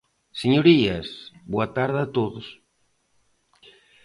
Señorías, boa tarde a todos.